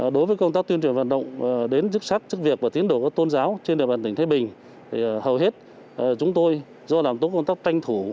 đối với công tác tuyên truyền vận động đến dứt sắc trước việc và tiến đổi của tôn giáo trên đời bản tỉnh thái bình